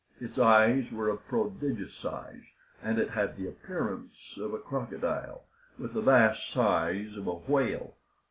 Its eyes were of prodigious size, and it had the appearance of a crocodile, with the vast size of a whale.